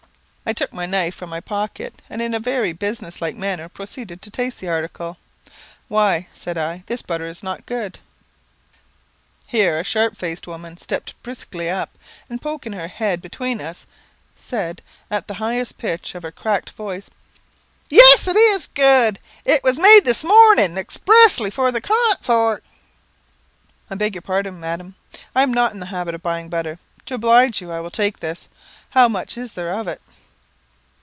I took my knife from my pocket, and in a very business like manner proceeded to taste the article. "Why," said I, "this butter is not good." Here a sharp faced woman stepped briskly up, and poking her head between us, said, at the highest pitch of her cracked voice, "Yes, it is good; it was made this morning express ly for the con sort." "I beg your pardon, madam. I am not in the habit of buying butter. To oblige you, I will take this. How much is there of it?"